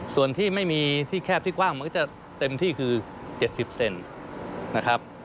ส่วนที่ไม่มีที่แคบที่กว้างมันก็จะเต็มที่คือ๗๐เซนนะครับ